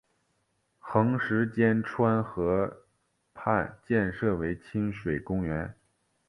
横十间川河畔建设为亲水公园。